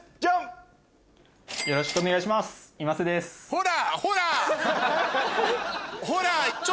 ほら！